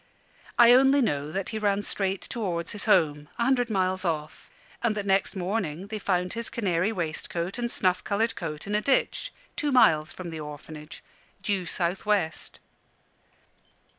I only know that he ran straight towards his home, a hundred miles off, and that next morning they found his canary waistcoat and snuff coloured coat in a ditch, two miles from the Orphanage, due south west.